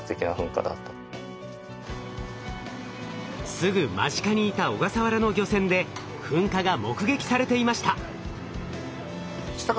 すぐ間近にいた小笠原の漁船で噴火が目撃されていました。